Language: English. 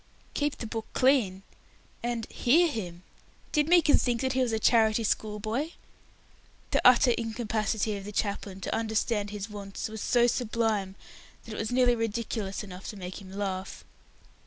"Keep the book clean!" and "hear him!" Did Meekin think that he was a charity school boy? The utter incapacity of the chaplain to understand his wants was so sublime that it was nearly ridiculous enough to make him laugh.